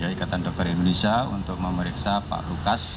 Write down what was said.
dari ikatan dokter indonesia untuk memeriksa pak lukas